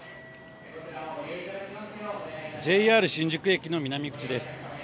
ＪＲ新宿駅の南口です。